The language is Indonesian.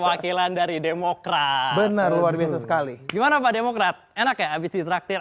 wakilan dari demokrat luar biasa sekali gimana pak demokrat enak ya abis ditraktir